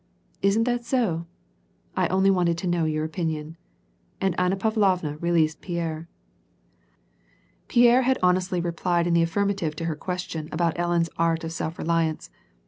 Isn't that so ? I only wanted to know your opinion." And Anna Pavlovna released Pierre. Pierre had honestly replied in the affirmative to her ques tion about Ellen's art of self reliance.